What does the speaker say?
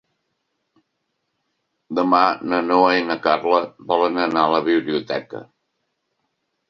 Demà na Noa i na Carla volen anar a la biblioteca.